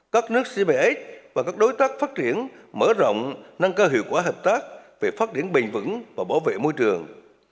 các nước gms và các đối tác phát triển mở rộng nâng cao hiệu quả hợp tác về phát triển bền vững và bảo vệ môi trường